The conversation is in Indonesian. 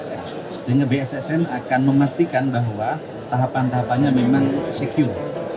sehingga bssn akan memastikan bahwa tahapan tahapannya memang secure